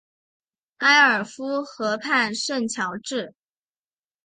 埃尔夫河畔圣乔治。